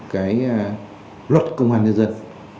cái luật công an nhân dân